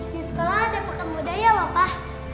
di sekolah ada pakem budaya lho pak